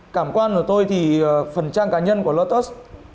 cảm quan của tôi thì phần trang cá nhân của lotus